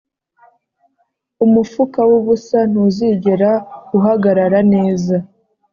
umufuka wubusa ntuzigera uhagarara neza